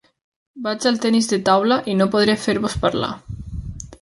Vaig al tennis de taula i no podré fer-vos parlar.